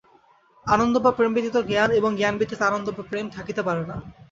আনন্দ বা প্রেম ব্যতীত জ্ঞান এবং জ্ঞান ব্যতীত আনন্দ বা প্রেম থাকিতে পারে না।